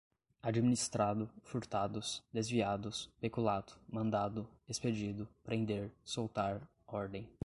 administrado, furtados, desviados, peculato, mandado, expedido, prender, soltar, ordem